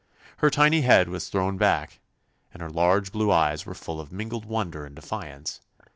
Her tiny head was thrown back, and her large blue eyes were full of mingled wonder and defiance.